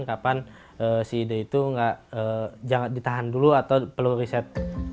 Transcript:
kapan si ide itu jangan ditahan dulu atau perlu riset